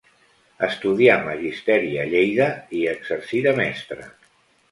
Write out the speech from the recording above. Estudià Magisteri a Lleida i hi exercí de mestre.